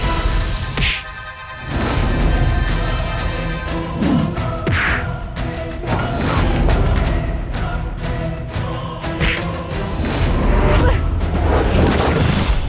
itu kan pelang sendiri